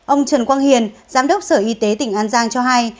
ông trần quang hiền giám đốc sở y tế tỉnh an giang cho hay